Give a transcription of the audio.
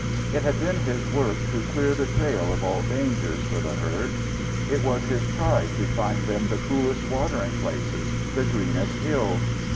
It had been his work to clear the trail of all dangers for the herd. It was his pride to find them the coolest watering places, the greenest hills.